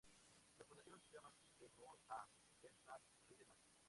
La función se llama así en honor a Bernhard Riemann.